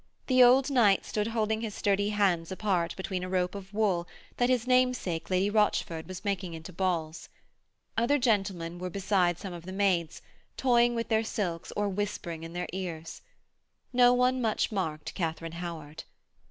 The old knight stood holding his sturdy hands apart between a rope of wool that his namesake Lady Rochford was making into balls. Other gentlemen were beside some of the maids, toying with their silks or whispering in their ears. No one much marked Katharine Howard.